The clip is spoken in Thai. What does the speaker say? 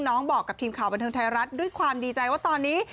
บอกกับทีมข่าวบันเทิงไทยรัฐด้วยความดีใจว่าตอนนี้